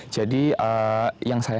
jadi yang saya